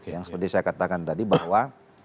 yang seperti saya katakan tadi bahwa